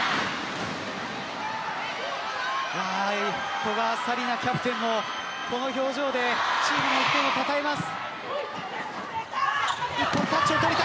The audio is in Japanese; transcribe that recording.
古賀紗理那キャプテンもこの表情でチームの得点をたたえます。